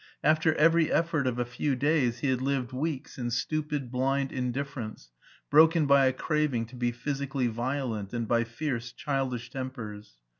After every effort of a few days he had lived weeks in stupid, blind indifference, broken by a craving to be physically violent and by fierce childish tempers.